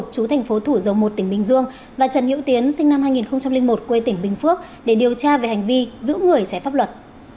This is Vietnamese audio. chú thành phố thủ dầu một tỉnh bình dương và trần nhữ tiến sinh năm hai nghìn một quê tỉnh bình phước để điều tra về hành vi giữ người trái pháp luật